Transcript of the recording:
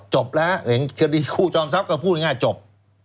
จบแล้วเห็นคดีครูจอมทรัพย์ก็พูดง่ายจบ